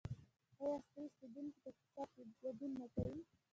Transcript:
آیا اصلي اوسیدونکي په اقتصاد کې ګډون نه کوي؟